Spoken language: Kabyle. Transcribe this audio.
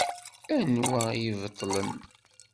Anwa i ibeṭṭlen?